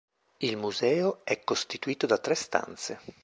Il museo è costituito da tre stanze.